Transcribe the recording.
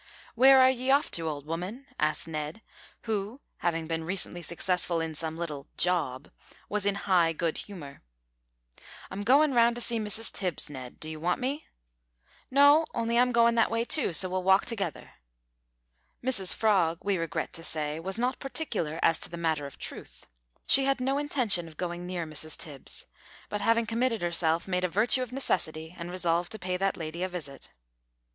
"Where are ye off to, old woman?" asked Ned, who, having been recently successful in some little "job," was in high good humour. "I'm goin' round to see Mrs Tibbs, Ned. D'you want me?" "No, on'y I'm goin' that way too, so we'll walk together." Mrs Frog, we regret to say, was not particular as to the matter of truth. She had no intention of going near Mrs Tibbs, but, having committed herself, made a virtue of necessity, and resolved to pay that lady a visit.